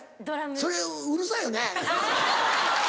それうるさいよね。